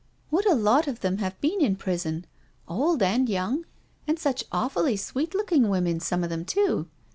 " What a lot of them have been in prison — old and young — ^and such awfully sweet looking women some of them too.